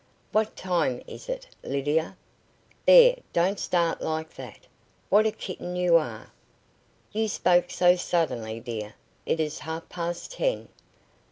"What time is it, Lydia? There, don't start like that. What a kitten you are." "You spoke so suddenly, dear. It is half past ten."